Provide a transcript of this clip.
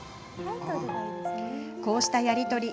こうしたやり取り。